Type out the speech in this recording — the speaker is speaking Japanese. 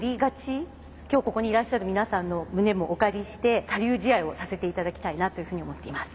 今日ここにいらっしゃる皆さんの胸もお借りして他流試合をさせていただきたいなというふうに思っています。